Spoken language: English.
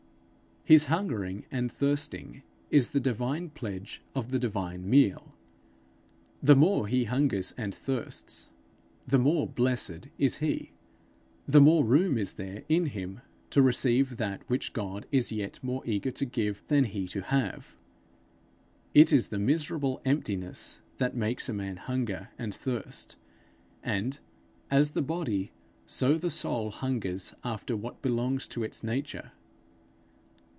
His hungering and thirsting is the divine pledge of the divine meal. The more he hungers and thirsts the more blessed is he; the more room is there in him to receive that which God is yet more eager to give than he to have. It is the miserable emptiness that makes a man hunger and thirst; and, as the body, so the soul hungers after what belongs to its nature.